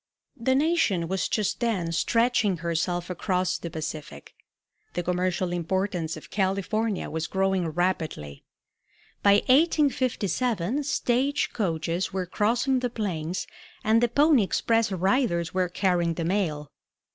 The nation was just then stretching herself across to the Pacific. The commercial importance of California was growing rapidly. By 1857 stage coaches were crossing the plains and the pony express riders were carrying the mail.